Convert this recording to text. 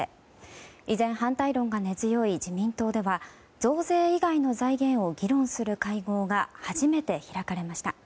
依然、反対論が根強い自民党内では増税以外の財源を議論する会合が初めて開かれました。